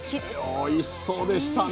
おいしそうでしたね。